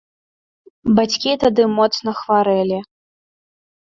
Бацькі тады моцна хварэлі.